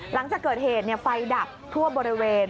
หลังจากเกิดเหตุไฟดับทั่วบริเวณ